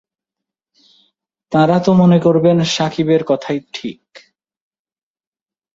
তাঁরা তো মনে করবেন, শাকিবের কথাই ঠিক।